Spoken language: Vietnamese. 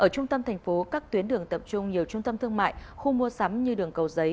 trần thánh tông hà nội